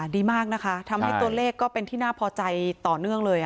ดีมากนะคะทำให้ตัวเลขก็เป็นที่น่าพอใจต่อเนื่องเลย